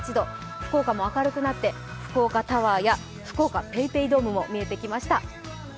福岡も明るくなって福岡タワーや福岡ＰａｙＰａｙドームも見えてきました。